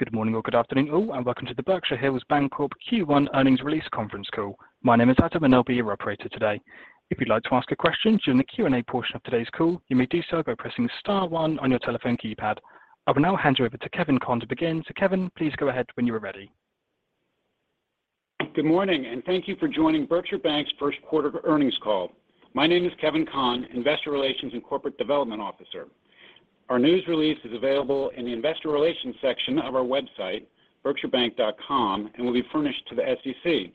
Good morning or good afternoon all, and welcome to the Berkshire Hills Bancorp Q1 Earnings Release Conference Call. My name is Adam, and I'll be your operator today. If you'd like to ask a question during the Q&A portion of today's call, you may do so by pressing star one on your telephone keypad. I will now hand you over to Kevin Conn to begin. Kevin, please go ahead when you are ready. Good morning, and thank you for joining Berkshire Bank's first-quarter earnings call. My name is Kevin Conn, Investor Relations and Corporate Development Officer. Our news release is available in the investor relations section of our website, berkshirebank.com, and will be furnished to the SEC.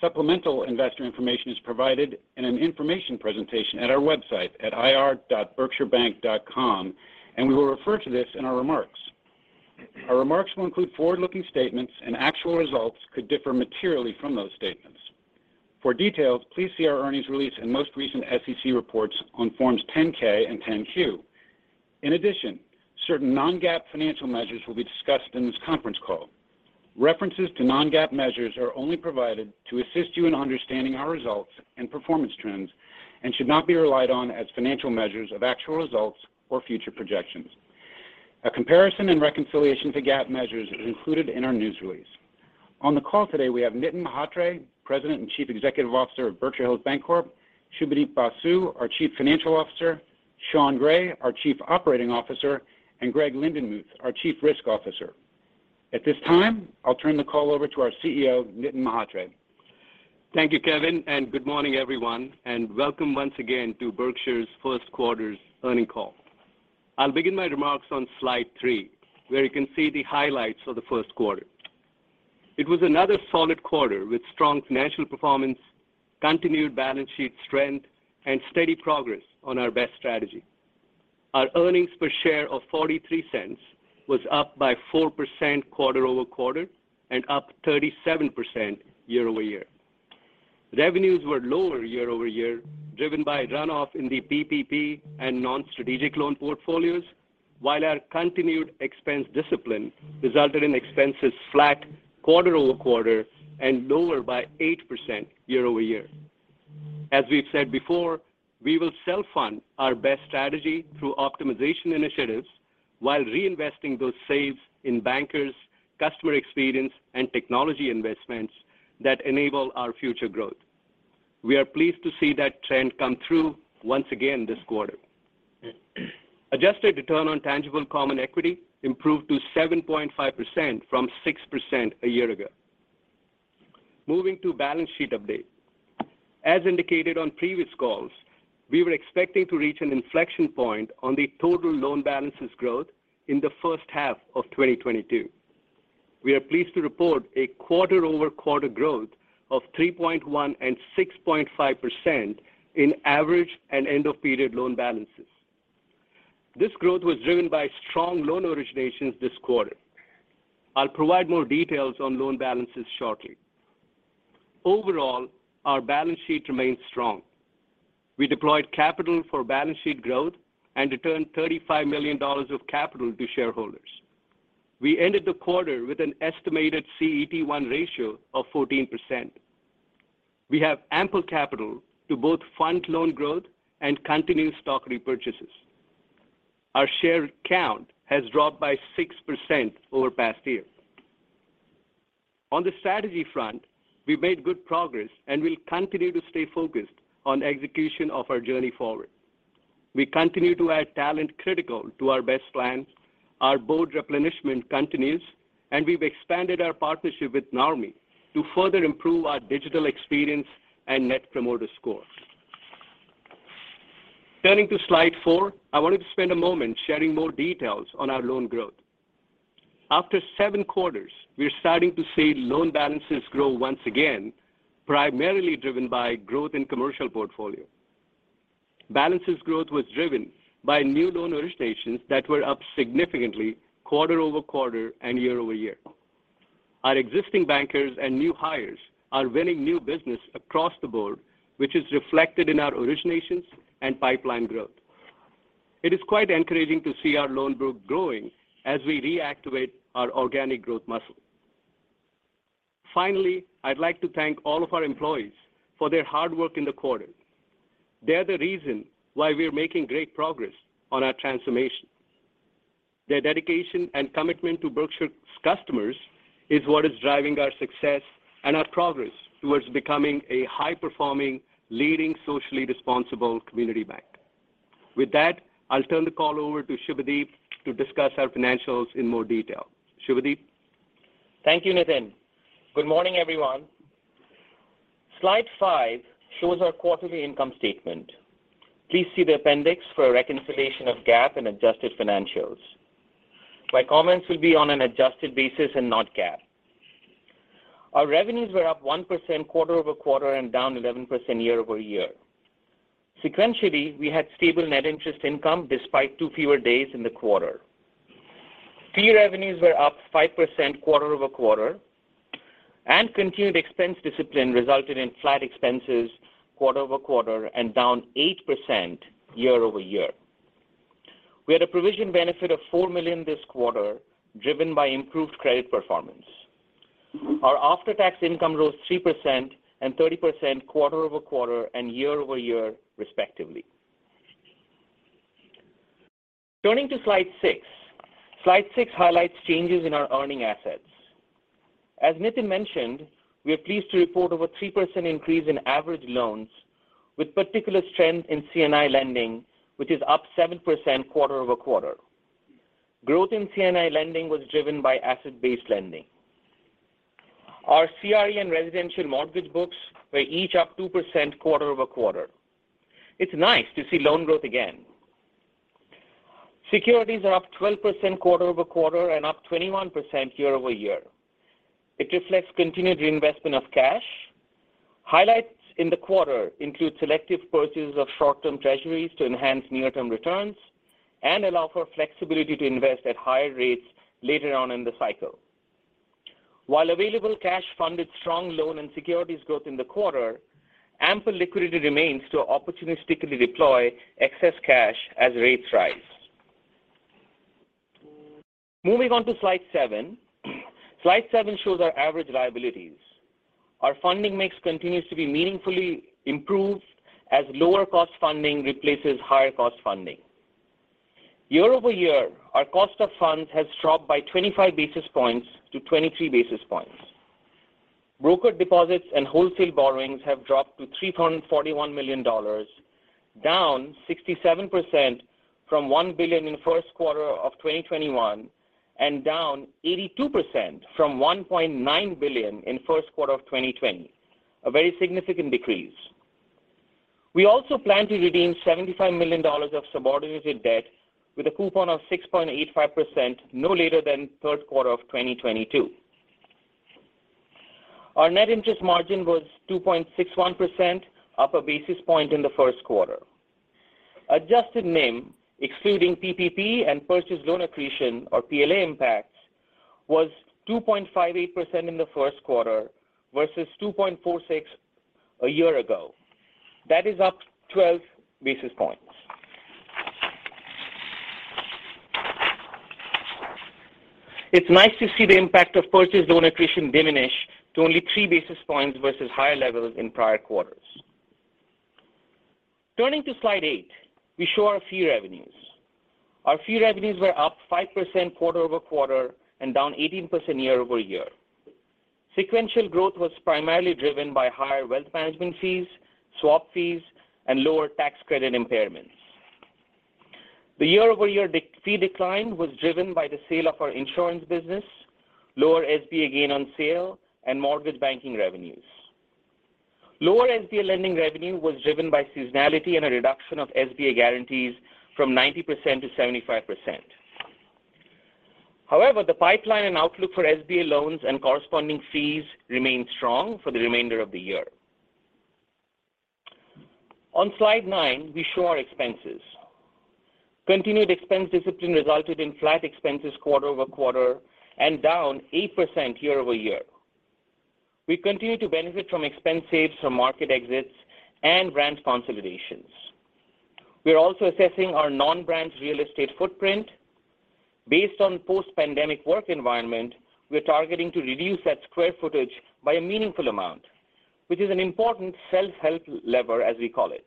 Supplemental investor information is provided in an information presentation at our website at ir.berkshirebank.com, and we will refer to this in our remarks. Our remarks will include forward-looking statements and actual results could differ materially from those statements. For details, please see our earnings release and most recent SEC reports on Forms 10-K and 10-Q. In addition, certain non-GAAP financial measures will be discussed in this conference call. References to non-GAAP measures are only provided to assist you in understanding our results and performance trends and should not be relied on as financial measures of actual results or future projections. A comparison and reconciliation to GAAP measures is included in our news release. On the call today we have Nitin Mhatre, President and Chief Executive Officer of Berkshire Hills Bancorp, Subhadeep Basu, our Chief Financial Officer, Sean Gray, our Chief Operating Officer, and Greg Lindenmuth, our Chief Risk Officer. At this time, I'll turn the call over to our CEO, Nitin Mhatre. Thank you, Kevin, and good morning everyone, and welcome once again to Berkshire's first quarter earnings call. I'll begin my remarks on slide three, where you can see the highlights of the first quarter. It was another solid quarter with strong financial performance, continued balance sheet strength, and steady progress on our BEST strategy. Our earnings per share of $0.43 was up 4% quarter-over-quarter and up 37% year-over-year. Revenues were lower year-over-year, driven by runoff in the PPP and non-strategic loan portfolios, while our continued expense discipline resulted in expenses flat quarter-over-quarter and lower by 8% year-over-year. As we've said before, we will self-fund our BEST strategy through optimization initiatives while reinvesting those saves in bankers, customer experience, and technology investments that enable our future growth. We are pleased to see that trend come through once again this quarter. Adjusted return on tangible common equity improved to 7.5% from 6% a year ago. Moving to balance sheet update. As indicated on previous calls, we were expecting to reach an inflection point on the total loan balances growth in the first half of 2022. We are pleased to report a quarter-over-quarter growth of 3.1% and 6.5% in average and end-of-period loan balances. This growth was driven by strong loan originations this quarter. I'll provide more details on loan balances shortly. Overall, our balance sheet remains strong. We deployed capital for balance sheet growth and returned $35 million of capital to shareholders. We ended the quarter with an estimated CET1 ratio of 14%. We have ample capital to both fund loan growth and continue stock repurchases. Our share count has dropped by 6% over past year. On the strategy front, we've made good progress and will continue to stay focused on execution of our journey forward. We continue to add talent critical to our BEST plans. Our board replenishment continues, and we've expanded our partnership with Narmi to further improve our digital experience and net promoter score. Turning to slide four, I wanted to spend a moment sharing more details on our loan growth. After seven quarters, we are starting to see loan balances grow once again, primarily driven by growth in commercial portfolio. Balances growth was driven by new loan originations that were up significantly quarter-over-quarter and year-over-year. Our existing bankers and new hires are winning new business across the board, which is reflected in our originations and pipeline growth. It is quite encouraging to see our loan book growing as we reactivate our organic growth muscle. Finally, I'd like to thank all of our employees for their hard work in the quarter. They are the reason why we are making great progress on our transformation. Their dedication and commitment to Berkshire's customers is what is driving our success and our progress towards becoming a high-performing, leading, socially responsible community bank. With that, I'll turn the call over to Subhadeep to discuss our financials in more detail. Subhadeep? Thank you, Nitin. Good morning, everyone. Slide five shows our quarterly income statement. Please see the appendix for a reconciliation of GAAP and adjusted financials. My comments will be on an adjusted basis and not GAAP. Our revenues were up 1% quarter-over-quarter and down 11% year-over-year. Sequentially, we had stable net interest income despite two fewer days in the quarter. Fee revenues were up 5% quarter-over-quarter and continued expense discipline resulted in flat expenses quarter-over-quarter and down 8% year-over-year. We had a provision benefit of $4 million this quarter, driven by improved credit performance. Our after-tax income rose 3% and 30% quarter-over-quarter and year-over-year, respectively. Turning to slide six. Slide six highlights changes in our earning assets. As Nitin mentioned, we are pleased to report over 3% increase in average loans, with particular strength in C&I lending, which is up 7% quarter-over-quarter. Growth in C&I lending was driven by asset-based lending. Our CRE and residential mortgage books were each up 2% quarter-over-quarter. It's nice to see loan growth again. Securities are up 12% quarter-over-quarter and up 21% year-over-year. It reflects continued reinvestment of cash. Highlights in the quarter include selective purchases of short-term treasuries to enhance near-term returns and allow for flexibility to invest at higher rates later on in the cycle. While available cash funded strong loan and securities growth in the quarter, ample liquidity remains to opportunistically deploy excess cash as rates rise. Moving on to slide seven. Slide seven shows our average liabilities. Our funding mix continues to be meaningfully improved as lower-cost funding replaces higher-cost funding. Year-over-year, our cost of funds has dropped by 25 basis points to 23 basis points. Brokered deposits and wholesale borrowings have dropped to $3.41 million, down 67% from $1 billion in first quarter of 2021 and down 82% from $1.9 billion in first quarter of 2020. A very significant decrease. We also plan to redeem $75 million of subordinated debt with a coupon of 6.85% no later than third quarter of 2022. Our net interest margin was 2.61%, up a basis point in the first quarter. Adjusted NIM, excluding PPP and purchased loan accretion or PLA impacts, was 2.58% in the first quarter versus 2.46% a year ago. That is up 12 basis points. It's nice to see the impact of purchased loan accretion diminish to only three basis points versus higher levels in prior quarters. Turning to slide eight, we show our fee revenues. Our fee revenues were up 5% quarter-over-quarter and down 18% year-over-year. Sequential growth was primarily driven by higher wealth management fees, swap fees, and lower tax credit impairments. The year-over-year fee decline was driven by the sale of our insurance business, lower SBA gain on sale, and mortgage banking revenues. Lower SBA lending revenue was driven by seasonality and a reduction of SBA guarantees from 90% to 75%. However, the pipeline and outlook for SBA loans and corresponding fees remain strong for the remainder of the year. On slide nine, we show our expenses. Continued expense discipline resulted in flat expenses quarter-over-quarter and down 8% year-over-year. We continue to benefit from expense saves from market exits and branch consolidations. We are also assessing our non-branch real estate footprint. Based on post-pandemic work environment, we're targeting to reduce that square footage by a meaningful amount, which is an important self-help lever, as we call it.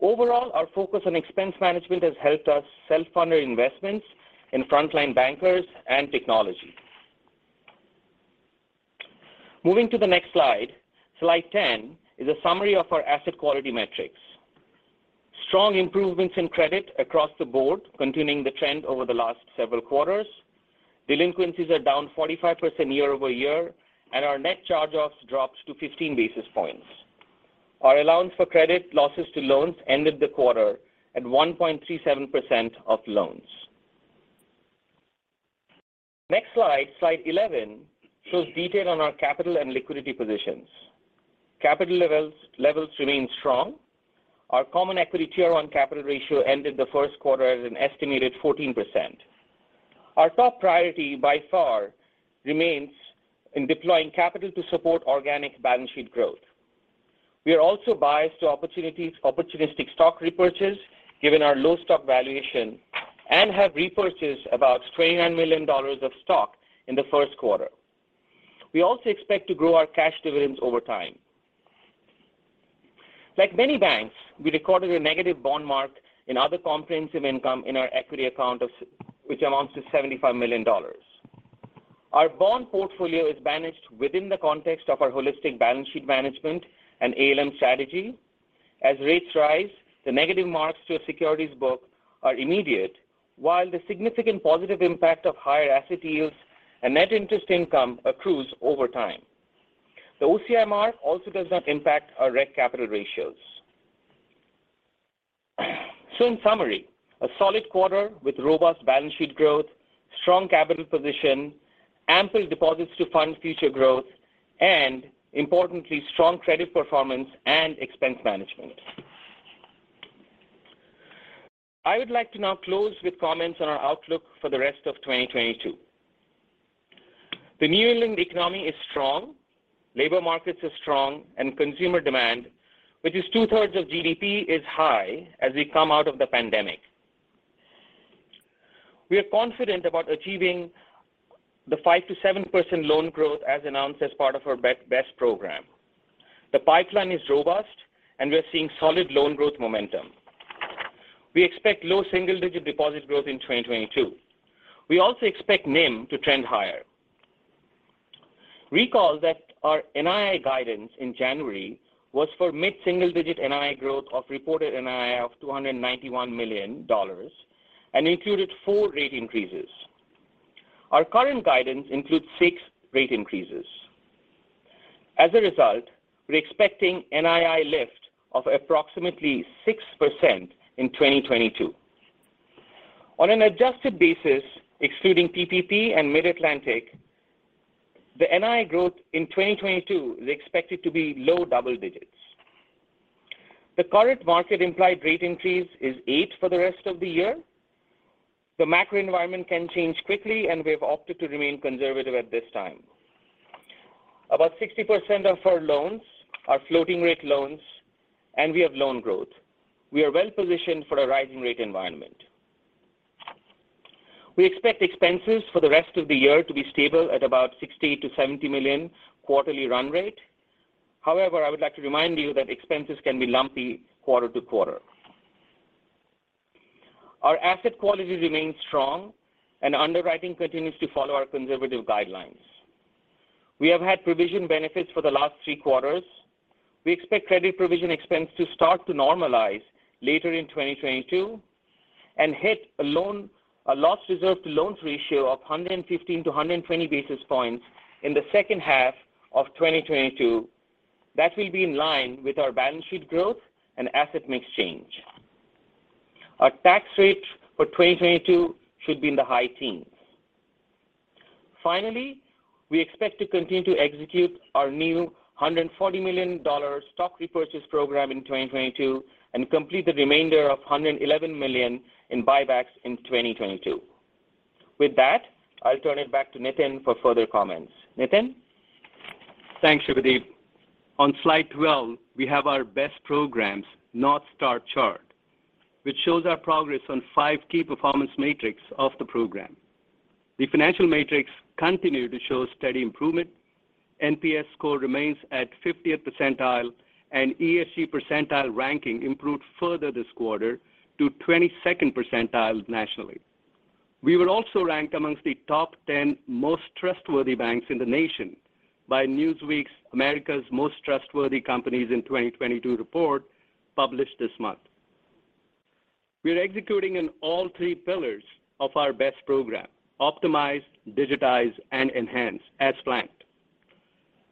Overall, our focus on expense management has helped us self-fund our investments in frontline bankers and technology. Moving to the next slide. Slide 10 is a summary of our asset quality metrics. Strong improvements in credit across the board, continuing the trend over the last several quarters. Delinquencies are down 45% year-over-year, and our net charge-offs dropped to 15 basis points. Our allowance for credit losses to loans ended the quarter at 1.37% of loans. Next slide 11, shows detail on our capital and liquidity positions. Capital levels remain strong. Our common equity Tier 1 capital ratio ended the first quarter as an estimated 14%. Our top priority by far remains in deploying capital to support organic balance sheet growth. We are also biased to opportunistic stock repurchases given our low stock valuation and have repurchased about $29 million of stock in the first quarter. We also expect to grow our cash dividends over time. Like many banks, we recorded a negative bond mark in other comprehensive income in our equity account of which amounts to $75 million. Our bond portfolio is managed within the context of our holistic balance sheet management and ALM strategy. As rates rise, the negative marks to a securities book are immediate, while the significant positive impact of higher asset yields and net interest income accrues over time. The OCI mark also does not impact our reg capital ratios. In summary, a solid quarter with robust balance sheet growth, strong capital position, ample deposits to fund future growth, and importantly, strong credit performance and expense management. I would like to now close with comments on our outlook for the rest of 2022. The New England economy is strong, labor markets are strong, and consumer demand, which is two-thirds of GDP, is high as we come out of the pandemic. We are confident about achieving the 5%-7% loan growth as announced as part of our BEST program. The pipeline is robust, and we're seeing solid loan growth momentum. We expect low single-digit deposit growth in 2022. We also expect NIM to trend higher. Recall that our NII guidance in January was for mid-single-digit NII growth of reported NII of $291 million and included four rate increases. Our current guidance includes six rate increases. As a result, we're expecting NII lift of approximately 6% in 2022. On an adjusted basis, excluding PPP and Mid-Atlantic, the NII growth in 2022 is expected to be low double digits. The current market implied rate increase is eight for the rest of the year. The macro environment can change quickly, and we have opted to remain conservative at this time. About 60% of our loans are floating-rate loans, and we have loan growth. We are well-positioned for a rising rate environment. We expect expenses for the rest of the year to be stable at about $60 million-$70 million quarterly run rate. However, I would like to remind you that expenses can be lumpy quarter-to-quarter. Our asset quality remains strong, and underwriting continues to follow our conservative guidelines. We have had provision benefits for the last three quarters. We expect credit provision expense to start to normalize later in 2022 and hit a loss reserved to loans ratio of 115-120 basis points in the second half of 2022. That will be in line with our balance sheet growth and asset mix change. Our tax rate for 2022 should be in the high teens. Finally, we expect to continue to execute our new $140 million stock repurchase program in 2022 and complete the remainder of $111 million in buybacks in 2022. With that, I'll turn it back to Nitin for further comments. Nitin. Thanks, Subhadeep. On slide 12, we have our BEST program's North Star chart, which shows our progress on five key performance metrics of the program. The financial metrics continue to show steady improvement. NPS score remains at 50th percentile, and ESG percentile ranking improved further this quarter to 22nd percentile nationally. We were also ranked amongst the top 10 most trustworthy banks in the nation by Newsweek's America's Most Trustworthy Companies in 2022 report published this month. We are executing in all three pillars of our BEST program, optimize, digitize, and enhance, as planned.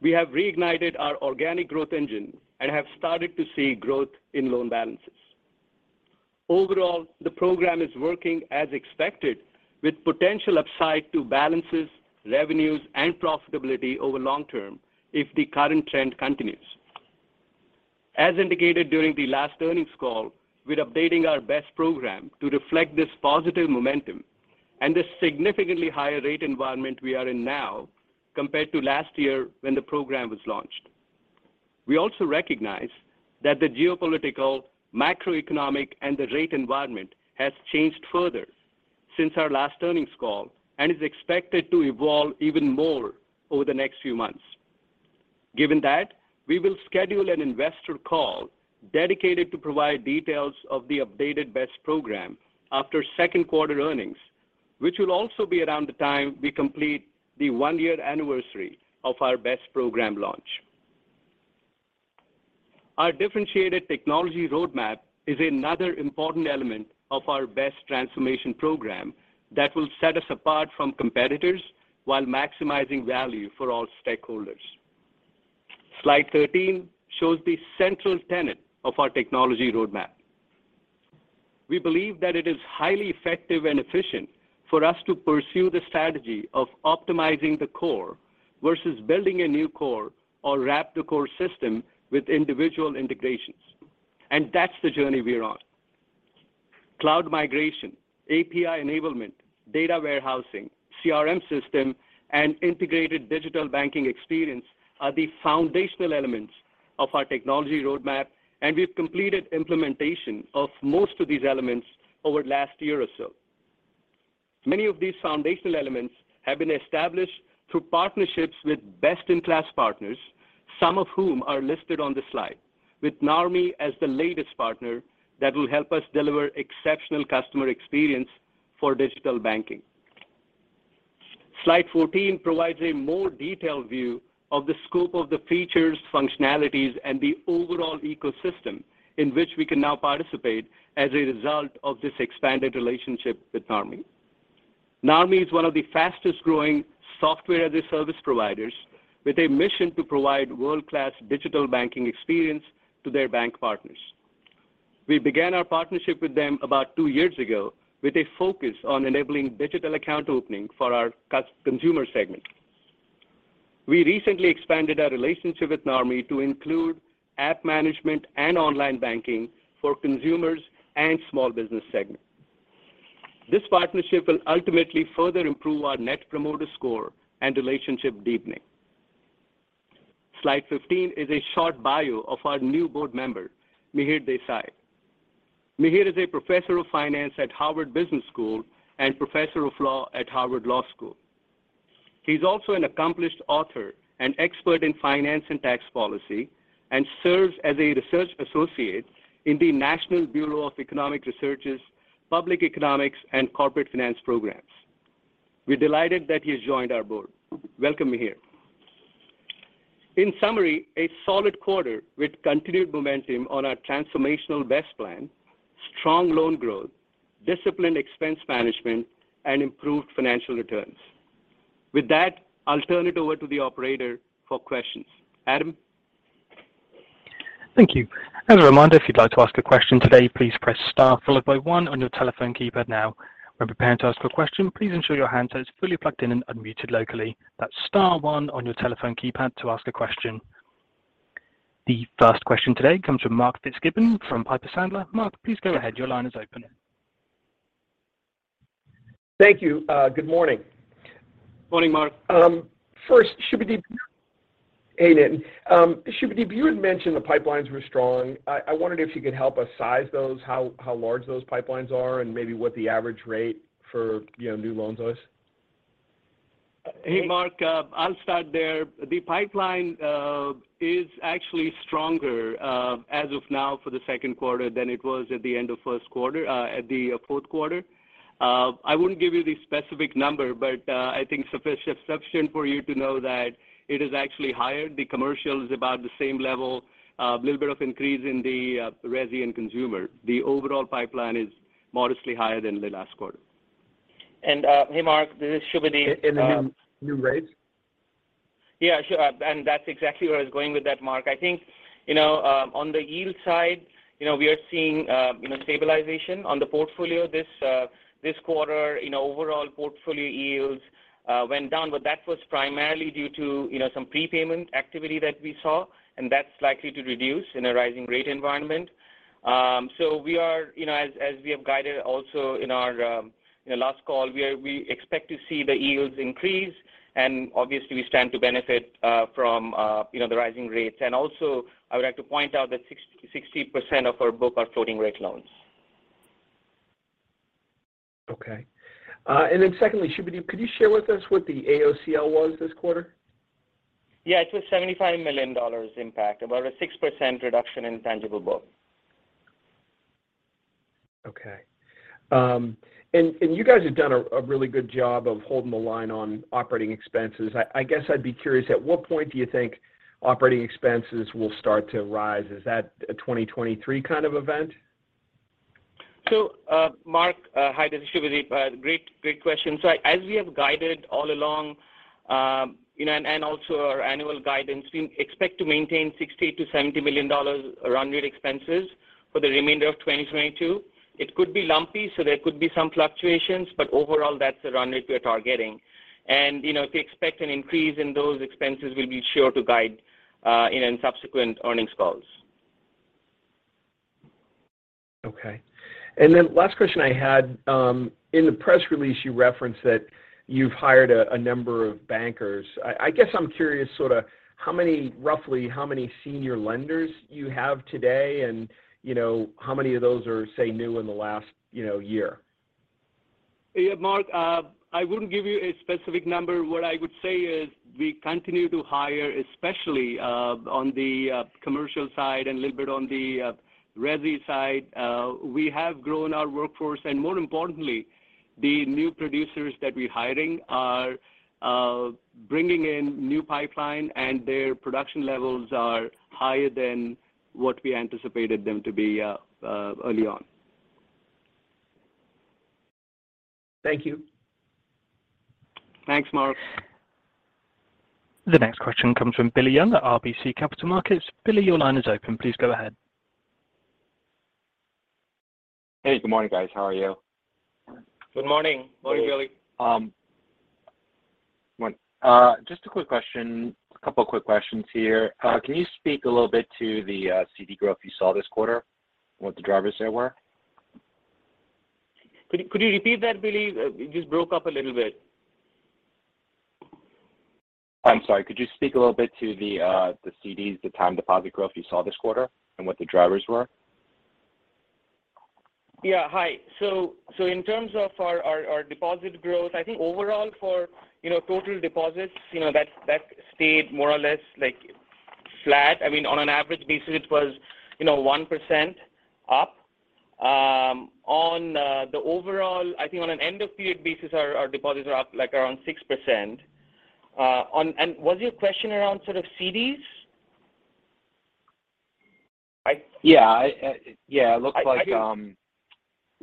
We have reignited our organic growth engine and have started to see growth in loan balances. Overall, the program is working as expected with potential upside to balances, revenues, and profitability over long term if the current trend continues. As indicated during the last earnings call, we're updating our BEST program to reflect this positive momentum and the significantly higher rate environment we are in now compared to last year when the program was launched. We also recognize that the geopolitical, macroeconomic, and the rate environment has changed further since our last earnings call and is expected to evolve even more over the next few months. Given that, we will schedule an investor call dedicated to provide details of the updated BEST program after second quarter earnings, which will also be around the time we complete the one-year anniversary of our BEST program launch. Our differentiated technology roadmap is another important element of our BEST transformation program that will set us apart from competitors while maximizing value for all stakeholders. Slide 13 shows the central tenet of our technology roadmap. We believe that it is highly effective and efficient for us to pursue the strategy of optimizing the core versus building a new core or wrap the core system with individual integrations, and that's the journey we're on. Cloud migration, API enablement, data warehousing, CRM system, and integrated digital banking experience are the foundational elements of our technology roadmap, and we've completed implementation of most of these elements over last year or so. Many of these foundational elements have been established through partnerships with best-in-class partners, some of whom are listed on the slide, with Narmi as the latest partner that will help us deliver exceptional customer experience for digital banking. Slide 14 provides a more detailed view of the scope of the features, functionalities, and the overall ecosystem in which we can now participate as a result of this expanded relationship with Narmi. Narmi is one of the fastest-growing software-as-a-service providers with a mission to provide world-class digital banking experience to their bank partners. We began our partnership with them about two years ago with a focus on enabling digital account opening for our consumer segment. We recently expanded our relationship with Narmi to include app management and online banking for consumers and small business segment. This partnership will ultimately further improve our net promoter score and relationship deepening. Slide 15 is a short bio of our new board member, Mihir Desai. Mihir is a professor of finance at Harvard Business School and professor of law at Harvard Law School. He's also an accomplished author and expert in finance and tax policy and serves as a research associate in the National Bureau of Economic Research's Public Economics and Corporate Finance programs. We're delighted that he has joined our board. Welcome, Mihir. In summary, a solid quarter with continued momentum on our transformational BEST plan, strong loan growth, disciplined expense management, and improved financial returns. With that, I'll turn it over to the operator for questions. Adam? Thank you. As a reminder, if you'd like to ask a question today, please press star followed by one on your telephone keypad now. When preparing to ask a question, please ensure your handset is fully plugged in and unmuted locally. That's star one on your telephone keypad to ask a question. The first question today comes from Mark Fitzgibbon from Piper Sandler. Mark, please go ahead. Your line is open. Thank you. Good morning. Morning, Mark. First, Subhadeep. Hey, Nitin. Subhadeep, you had mentioned the pipelines were strong. I wondered if you could help us size those, how large those pipelines are and maybe what the average rate for, you know, new loans was. Hey, Mark, I'll start there. The pipeline is actually stronger as of now for the second quarter than it was at the end of the fourth quarter. I wouldn't give you the specific number, but I think sufficient for you to know that it is actually higher. The commercial is about the same level, little bit of increase in the resi and consumer. The overall pipeline is modestly higher than the last quarter. Hey, Mark, this is Subhadeep. New rates? Yeah, sure. That's exactly where I was going with that, Mark. I think, you know, on the yield side, you know, we are seeing stabilization on the portfolio this quarter. You know, overall portfolio yields went down, but that was primarily due to, you know, some prepayment activity that we saw, and that's likely to reduce in a rising rate environment. We are, you know, as we have guided also in our, you know, last call, we expect to see the yields increase and obviously we stand to benefit from, you know, the rising rates. Also, I would like to point out that 66% of our book are floating rate loans. Okay. Secondly, Subhadeep, could you share with us what the AOCI was this quarter? Yeah. It was $75 million impact, about a 6% reduction in tangible book. Okay. You guys have done a really good job of holding the line on operating expenses. I guess I'd be curious at what point do you think operating expenses will start to rise? Is that a 2023 kind of event? Mark, hi, this is Subhadeep. Great question. As we have guided all along, you know, and also our annual guidance, we expect to maintain $60 million-$70 million run rate expenses for the remainder of 2022. It could be lumpy, so there could be some fluctuations, but overall, that's the run rate we are targeting. You know, if we expect an increase in those expenses we'll be sure to guide in subsequent earnings calls. Okay. Last question I had. In the press release, you referenced that you've hired a number of bankers. I guess I'm curious sorta roughly how many senior lenders you have today and, you know, how many of those are, say, new in the last, you know, year? Yeah, Mark, I wouldn't give you a specific number. What I would say is we continue to hire especially on the commercial side and a little bit on the resi side. We have grown our workforce, and more importantly, the new producers that we're hiring are bringing in new pipeline and their production levels are higher than what we anticipated them to be early on. Thank you. Thanks, Mark. The next question comes from Billy Young at RBC Capital Markets. Billy, your line is open. Please go ahead. Hey, good morning, guys. How are you? Good morning. Morning, Billy. Morning. Just a quick question. A couple of quick questions here. Can you speak a little bit to the CD growth you saw this quarter and what the drivers there were? Could you repeat that, Billy? It just broke up a little bit. I'm sorry. Could you speak a little bit to the CDs, the time deposit growth you saw this quarter and what the drivers were? Yeah. Hi. In terms of our deposit growth, I think overall for, you know, total deposits, you know, that stayed more or less like flat. I mean, on an average basis it was, you know, 1% up. I think on an end of period basis our deposits are up like around 6%. Was your question around sort of CDs?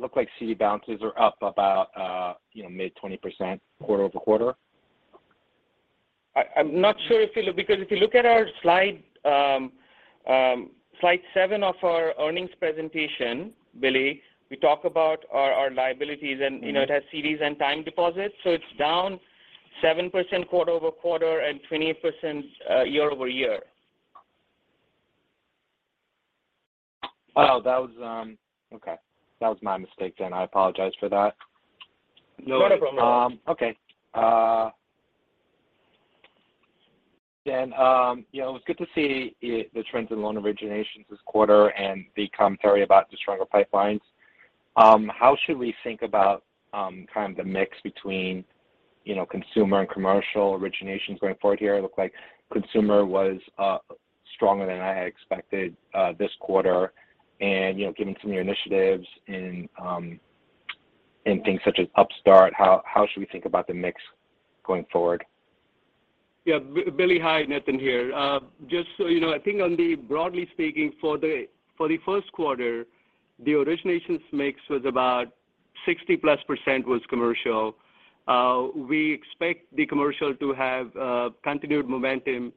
Yeah. Yeah. It looked like CD balances are up about, you know, mid-20% quarter-over-quarter. I'm not sure, Billy, because if you look at our slide seven of our earnings presentation, Billy, we talk about our liabilities Mm-hmm. You know, it has CDs and time deposits. It's down 7% quarter-over-quarter and 20% year-over-year. Oh, that was. Okay. That was my mistake then. I apologize for that. No problem. No problem Okay. Then, yeah, it was good to see the trends in loan originations this quarter and the commentary about the stronger pipelines. How should we think about kind of the mix between, you know, consumer and commercial originations going forward here? It looked like consumer was stronger than I had expected this quarter. You know, given some of your initiatives in things such as Upstart, how should we think about the mix going forward? Yeah. Billy, hi, Nitin here. Just so you know, I think, broadly speaking, for the first quarter, the originations mix was about 60+% commercial. We expect the commercial to have continued momentum,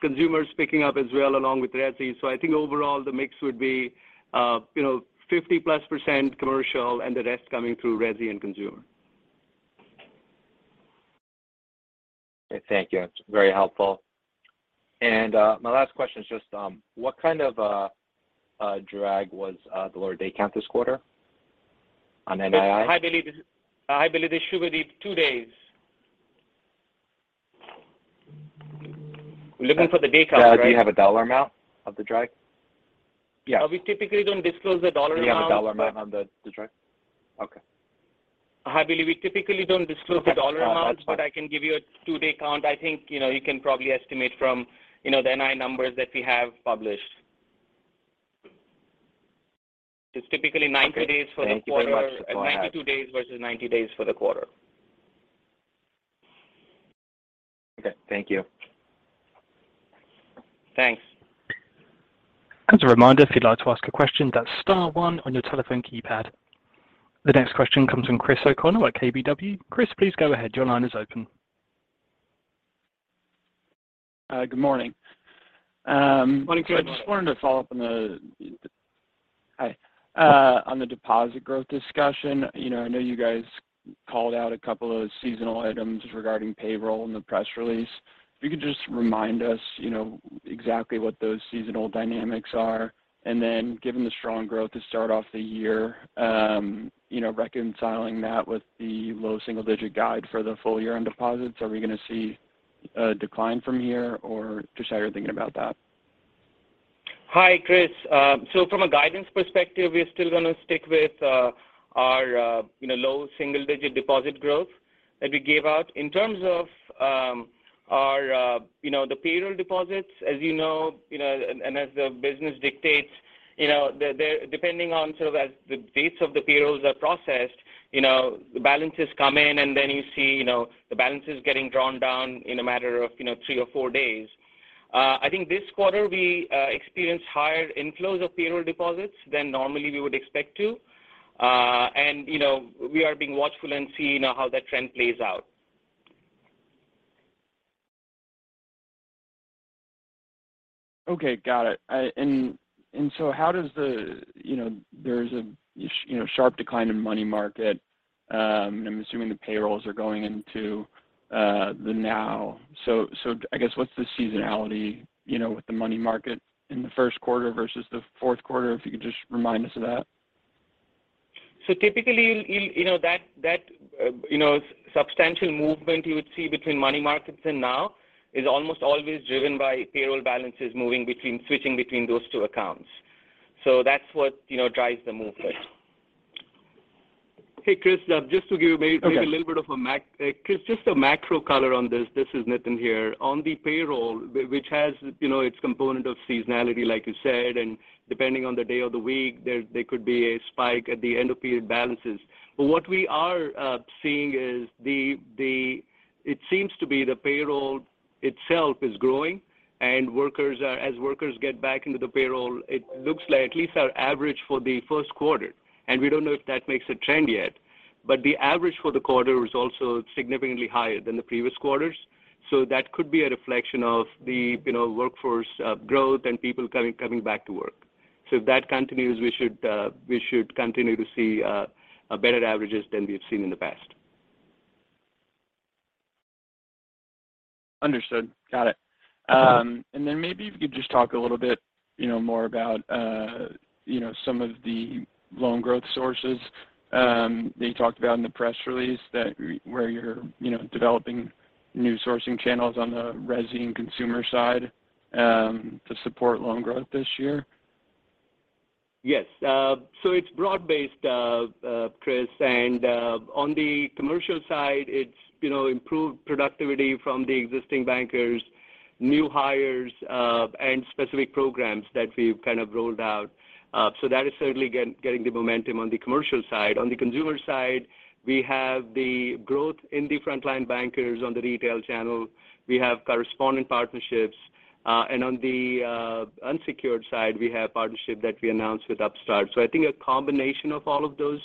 consumers picking up as well along with resi. I think overall the mix would be 50+% commercial and the rest coming through resi and consumer. Okay. Thank you. That's very helpful. My last question is just what kind of a drag was the lower day count this quarter on NII? I believe it should be two days. You're looking for the day count, right? Do you have a dollar amount of the drag? Yeah. We typically don't disclose the dollar amount. Do you have a dollar amount on the drag? Okay. I believe we typically don't disclose the dollar amounts. Okay. No, that's fine. I can give you a two-day count. I think, you know, you can probably estimate from, you know, the NII numbers that we have published. It's typically 90 days for the quarter. Okay. Thank you very much. Go ahead. 92 days versus 90 days for the quarter. Okay. Thank you. Thanks. As a reminder, if you'd like to ask a question, that's star one on your telephone keypad. The next question comes from Chris O'Connell at KBW. Chris, please go ahead. Your line is open. Good morning. Morning, Chris. I just wanted to follow up on the deposit growth discussion. You know, I know you guys called out a couple of seasonal items regarding payroll in the press release. If you could just remind us, you know, exactly what those seasonal dynamics are. Given the strong growth to start off the year, you know, reconciling that with the low single-digit guide for the full year-end deposits, are we gonna see a decline from here or just how you're thinking about that? Hi, Chris. From a guidance perspective, we're still gonna stick with our you know, low single-digit deposit growth that we gave out. In terms of our you know, the payroll deposits, as you know, and as the business dictates, you know, they're depending on sort of as the dates of the payrolls are processed, you know, the balances come in, and then you see you know, the balances getting drawn down in a matter of you know, three or four days. I think this quarter we experienced higher inflows of payroll deposits than normally we would expect to. You know, we are being watchful and seeing how that trend plays out. Okay. Got it. How does the sharp decline in money market. I'm assuming the payrolls are going into them now. I guess what's the seasonality, you know, with the money market in the first quarter versus the fourth quarter? If you could just remind us of that. Typically, you'll know that you know substantial movement you would see between money markets and NOW, is almost always driven by payroll balances switching between those two accounts. That's what, you know, drives the movement. Hey, Chris, just to give you maybe- Okay. Chris, just a macro color on this. This is Nitin here. On the payroll, which has, you know, its component of seasonality, like you said, and depending on the day of the week, there could be a spike at the end of period balances. What we are seeing is it seems to be the payroll itself is growing and workers are getting back into the payroll, it looks like at least our average for the first quarter, and we don't know if that makes a trend yet, but the average for the quarter was also significantly higher than the previous quarters. That could be a reflection of the, you know, workforce growth and people coming back to work. If that continues, we should continue to see a better averages than we have seen in the past. Understood. Got it. Yeah. Maybe if you could just talk a little bit, you know, more about, you know, some of the loan growth sources that you talked about in the press release that, where you're, you know, developing new sourcing channels on the resi and consumer side to support loan growth this year. Yes. So it's broad-based, Chris. On the commercial side, it's, you know, improved productivity from the existing bankers, new hires, and specific programs that we've kind of rolled out. So that is certainly getting the momentum on the commercial side. On the consumer side, we have the growth in the frontline bankers on the retail channel. We have corresponding partnerships. On the unsecured side, we have partnership that we announced with Upstart. So I think a combination of all of those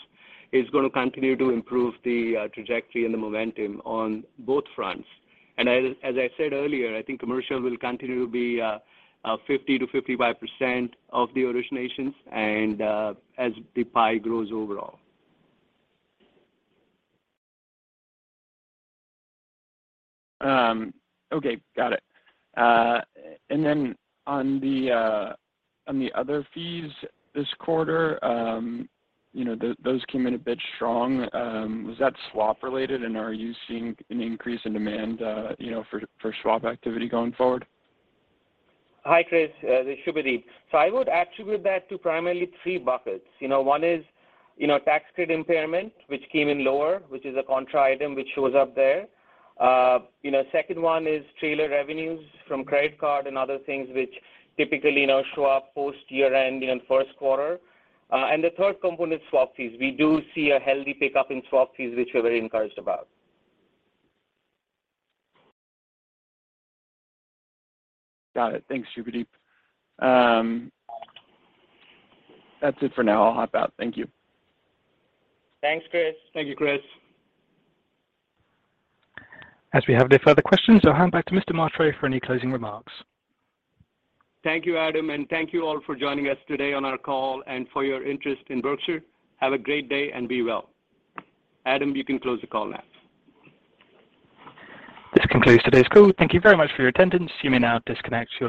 is gonna continue to improve the trajectory and the momentum on both fronts. As I said earlier, I think commercial will continue to be 50%-55% of the originations and as the pie grows overall. Okay. Got it. On the other fees this quarter, you know, those came in a bit strong. Was that swap related? Are you seeing an increase in demand, you know, for swap activity going forward? Hi, Chris. This is Subhadeep. I would attribute that to primarily three buckets. You know, one is, you know, tax credit impairment, which came in lower, which is a contra item which shows up there. You know, second one is trailer revenues from credit card and other things which typically, you know, show up post year-end in first quarter. The third component, swap fees. We do see a healthy pickup in swap fees, which we're very encouraged about. Got it. Thanks, Subhadeep. That's it for now. I'll hop out. Thank you. Thanks, Chris. Thank you, Chris. As we have no further questions, I'll hand back to Mr. Mhatre for any closing remarks. Thank you, Adam, and thank you all for joining us today on our call and for your interest in Berkshire. Have a great day and be well. Adam, you can close the call now. This concludes today's call. Thank you very much for your attendance. You may now disconnect your-